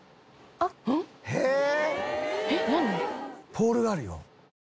ポールがあるよ。